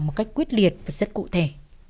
một cách quyết liệt và rất cụ thể